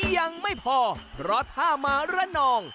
ยังไม่พอเพราะถ้ามาระนอง